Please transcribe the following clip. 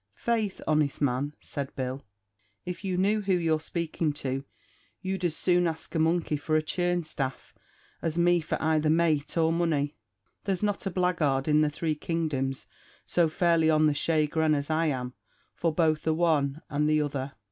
"Faith, honest man," said Bill, "if you knew who you're speaking to, you'd as soon ask a monkey for a churn staff as me for either mate or money. There's not a blackguard in the three kingdoms so fairly on the shaughran as I am for both the one and the other.